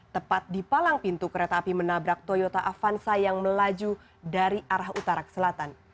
tepat di palang pintu kereta api menabrak toyota avanza yang melaju dari arah utara ke selatan